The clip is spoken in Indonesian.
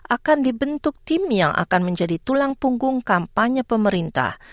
akan dibentuk tim yang akan menjadi tulang punggung kampanye pemerintah